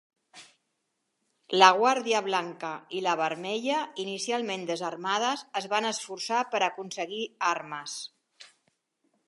La Guàrdia Blanca i la Vermella, inicialment desarmades, es van esforçar per aconseguir armes.